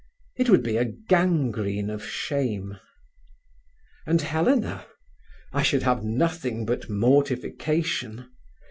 It would be a gangrene of shame. "And Helena—I should have nothing but mortification.